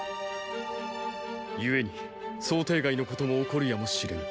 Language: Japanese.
故に想定外のことも起こるやも知れぬ。！